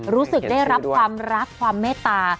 รู้สึกได้รับความรักความเมตตา